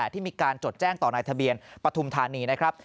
ที่มีการจดแจ้งต่อนายทะเบียนปฐุมธานีนะครับ